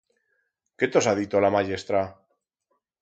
Qué tos ha dito la mayestra?